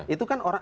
itu kan orang